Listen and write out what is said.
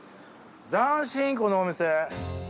斬新このお店。